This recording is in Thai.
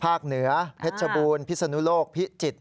เหนือเพชรบูรณพิศนุโลกพิจิตร